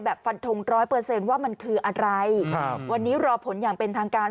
แบบฝันทง๑๐๐ว่ามันคืออะไรวันนี้รอผลอย่างเป็นทางการ